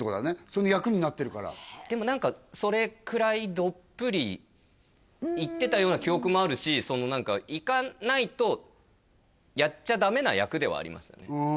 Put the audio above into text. その役になってるからでも何かそれくらいどっぷりいってたような記憶もあるしその何かいかないとやっちゃダメな役ではありましたね